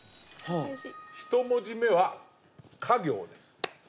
１文字目はか行です。